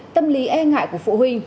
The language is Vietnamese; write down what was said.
tâm lý e ngại của phụ huynh